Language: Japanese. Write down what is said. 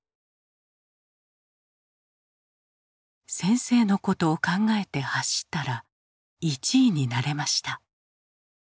「先生のことを考えて走ったら１位になれました」。